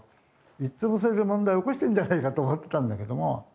いっつもそれで問題起こしてんじゃないかと思ってたんだけども。